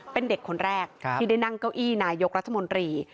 เป็นเด็กคนแรกที่ได้นั่งเก้าอี้นายกรัฐมนตรี